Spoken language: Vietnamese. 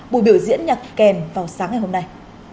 buổi biểu diễn nhạc kèm vào sáng ngày hôm nay